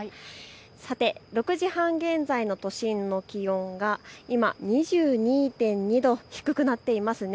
さて６時半現在の都心の気温が今２２．２度、低くなっています。